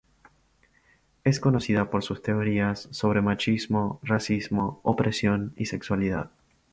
Es conocida por sus teorías sobre machismo, racismo, opresión y sexualidad.